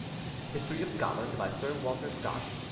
[History of Scotland, by Sir Walter Scott.